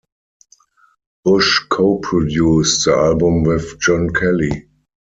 Bush co-produced the album with Jon Kelly.